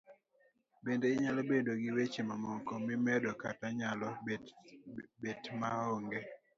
Bende inyalo bedo gi weche mamoko mimedo kata nyalo betma onge